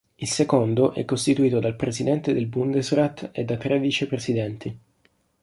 Il secondo è costituito dal presidente del Bundesrat e da tre vicepresidenti.